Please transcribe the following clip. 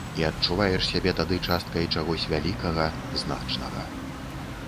І адчуваеш сябе тады часткай чагось вялікага, значнага.